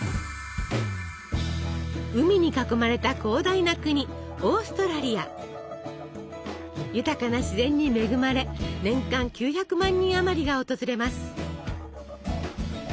海に囲まれた広大な国豊かな自然に恵まれ年間９００万人あまりが訪れます。